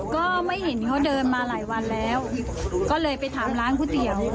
ก็ไม่เห็นเขาเดินมาหลายวันแล้วก็เลยไปถามร้านก๋วยเตี๋ยว